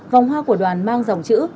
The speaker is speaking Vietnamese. vòng hoa của đoàn mang dòng chữ